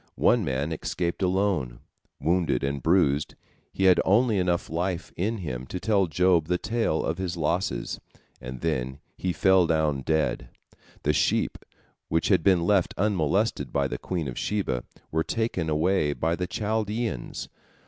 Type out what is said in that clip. One man escaped alone. Wounded and bruised, he had only enough life in him to tell Job the tale of his losses, and then he fell down dead. The sheep, which had been left unmolested by the queen of Sheba, were taken away by the Chaldeans.